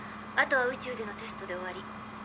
あとは宇宙でのテストで終わり。